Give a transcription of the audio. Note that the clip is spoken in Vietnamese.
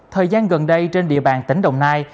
thời gian gần đây trên địa bàn tỉnh đồng nai